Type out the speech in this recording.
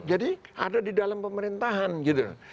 jadi ada di dalam pemerintahan gitu